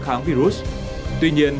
kháng virus tuy nhiên